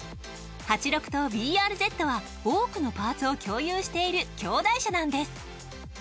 ８６とＢＲＺは多くのパーツを共有している兄弟車なんです。